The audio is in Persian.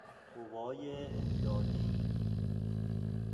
قوای امدادی